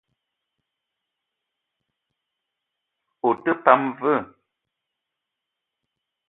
Ou te pam vé?